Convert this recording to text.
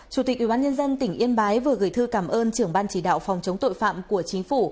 chủ tịch ubnd tỉnh yên bái vừa gửi thư cảm ơn trưởng ban chỉ đạo phòng chống tội phạm của chính phủ